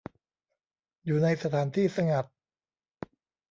อยู่ในสถานที่สงัด